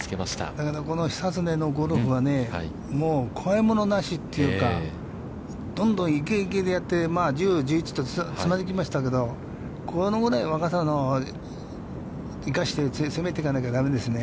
だけど、この久常のゴルフは、もう怖いものなしというか、どんどん行け行けでやって、まあ１０、１１とつないできましたけど、このぐらい若さを生かして、攻めていかないとだめですね。